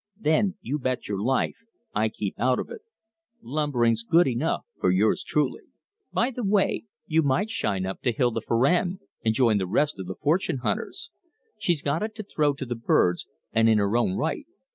Then, you bet your life, I keep out of it. Lumbering's good enough for yours truly. "By the way, you might shine up to Hilda Farrand and join the rest of the fortune hunters. She's got it to throw to the birds, and in her own right.